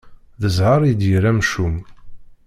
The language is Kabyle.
D zheṛ i d yir amcum.